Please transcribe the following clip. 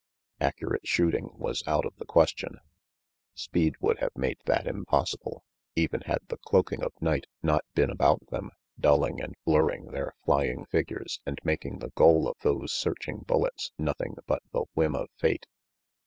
Accurate shooting was out of the question. Speed would have made that impossible, even had the cloaking of night not RANGY PETE 145 been about them, dulling and blurring their flying figures and making the goal of those searching bullets nothing but the whim of fate.